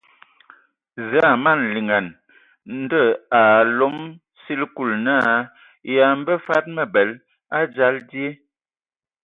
Zǝə a mana hm liŋan. Ndo a alom sili Kulu naa yǝ a mbǝ fad abel a dzal die.